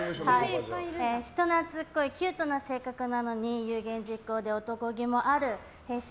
人懐っこいキュートな性格なのに有言実行で男気もある弊社